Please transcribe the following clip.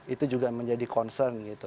itu juga menjadi concern gitu